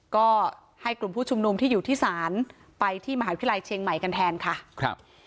ก็ให้กลุ่มผู้ชุมนุมที่อยู่ที่ศาลไปที่มหาวิทยาลัยเชียงใหม่กันแทนค่ะครับ